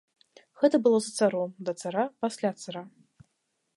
Гэта было за царом, да цара, пасля цара.